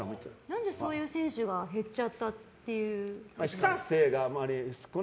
何でそういう選手は減っちゃったと？